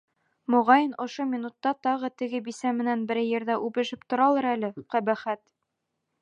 Моғайын, ошо минутта тағы теге бисә менән берәй ерҙә үбешеп торалыр әле, ҡәбәхәт!